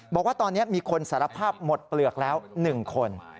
บอกว่าตอนนี้มีคนสารภาพหมดเปลือกแล้ว๑คน